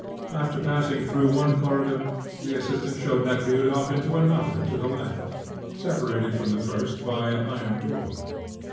After passing through one corridor, the assistant showed Nekhludoff into another to the left, separated from the first by an iron door.